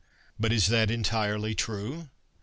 But is that entirely true ?